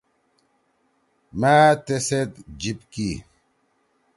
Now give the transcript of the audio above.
مأ تی سیت سی جیِب کی۔